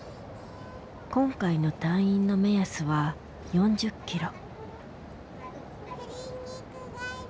今回の退院の目安は４０キロ。